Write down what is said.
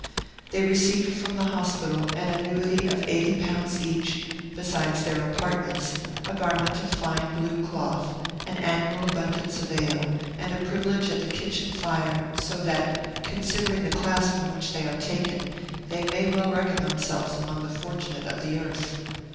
They receive from the hospital an annuity of eighty pounds each, besides their apartments, a garment of fine blue cloth, an annual abundance of ale, and a privilege at the kitchen fire; so that, considering the class from which they are taken, they may well reckon themselves among the fortunate of the earth.